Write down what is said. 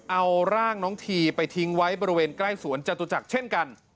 เอาร่างน้องทีไปทิ้งไว้บริเวณใกล้สวนจตุจักรเช่นกัน